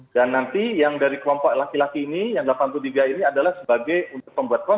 dan nanti yang dari kelompok laki laki ini yang delapan puluh tiga ini adalah sebagai untuk membuat konten